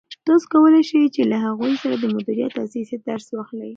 تاسو کولای شئ چې له هغوی څخه د مدیریت او سیاست درس واخلئ.